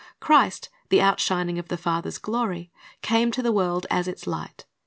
Christ, the outshining of the Father's glory, came to the world as its light.